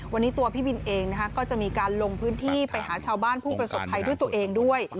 วันนี้ตัวพี่บินเองก็จะมีการลงพื้นที่ไปหาชาวบ้านผู้ประสบภัยด้วยตัวเองด้วย